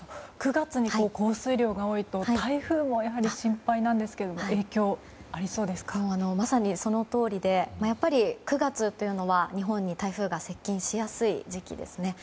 ９月に降水量が多いと台風も心配なんですけれどもまさに、そのとおりでやっぱり９月というのは日本に台風が接近しやすい時期ですね。